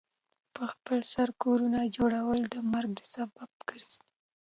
پخپل سر کورونو جوړول د مرګ سبب ګرځي.